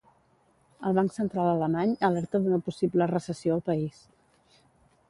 El banc central alemany alerta d'una possible recessió al país.